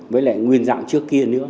với lại nguyên dạng trước kia nữa